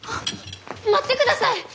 待ってください！